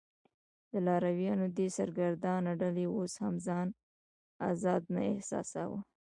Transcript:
د لارویانو دې سرګردانه ډلې اوس هم ځان آزاد نه احساساوه.